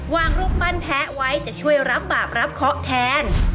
รูปปั้นแพ้ไว้จะช่วยรับบาปรับเคาะแทน